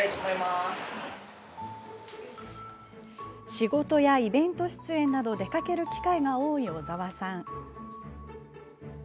仕事やイベント出演など出かける機会が多い小澤さん。